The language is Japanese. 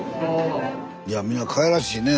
いやみんなかわいらしいね。